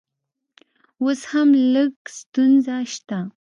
اوس هم لږ ستونزه شته